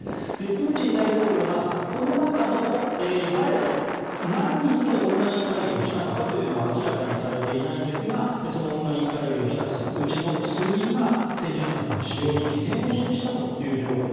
プーチン大統領がこの中の誰と何人と、オンライン会議をしたのかというのは明らかにされていないんですがそのオンライン会議をした数人が戦術核の使用に懸念を示したと。